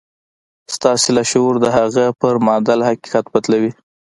ستاسې لاشعور د هغه پر معادل حقيقت بدلوي.